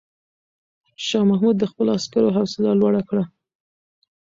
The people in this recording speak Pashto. شاه محمود د خپلو عسکرو حوصله لوړه کړه.